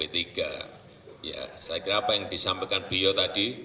ya saya kira apa yang disampaikan biyo tadi